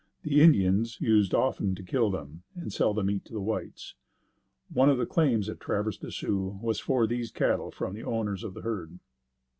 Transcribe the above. The Indians used often to kill them and sell the meat to the whites. One of the claims at Traverse de Sioux was for these cattle from the owners of the herd.